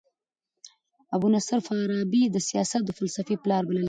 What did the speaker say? ابو نصر فارابي د سیاست او فلسفې پلار بلل کيږي.